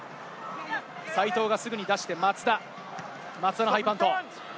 齋藤がすぐに出して松田、ハイパント。